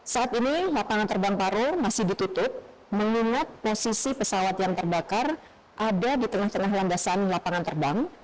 saat ini lapangan terbang paru masih ditutup mengingat posisi pesawat yang terbakar ada di tengah tengah landasan lapangan terbang